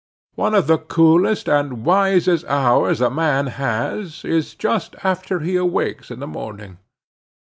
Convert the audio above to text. One of the coolest and wisest hours a man has, is just after he awakes in the morning.